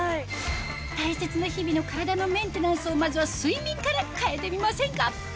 大切な日々の体のメンテナンスをまずは睡眠から変えてみませんか？